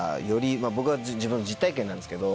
僕は実体験なんですけど。